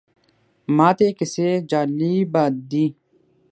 ماته یې کیسې جالبه دي.